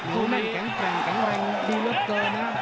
ดูนั่งแข็งแกร่งแข็งแรงดีเหลือเกินนะครับ